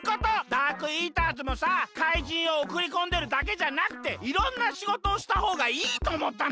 ダークイーターズもさかいじんをおくりこんでるだけじゃなくていろんなしごとをしたほうがいいとおもったんだよ。